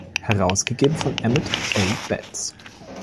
Herausgegeben von Emmett A. Betts.